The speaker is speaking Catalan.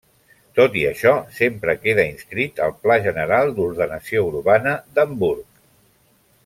Tot i això, sempre queda inscrit al Pla General d'Ordenació Urbana d'Hamburg.